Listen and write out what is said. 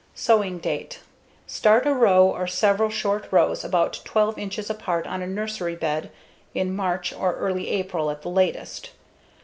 Sowing date: Start a row or several short rows about 12 inches apart on a nursery bed in March or early April at the latest.